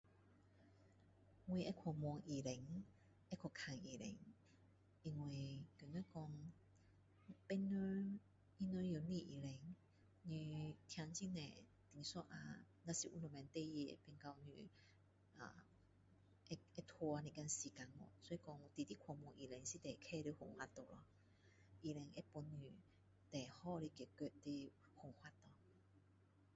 我会去问医生看医生因为觉得说别人他们也不是医生你听很多等一下若有什么事变成你啊会会拖一点时间去所以说直直去问医生是最快的方法了咯医生会给你最好的解决的方法